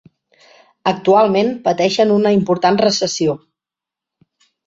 Actualment pateixen una important recessió.